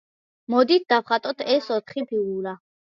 მოდით დავხატოთ ეს ოთხი ფიგურა.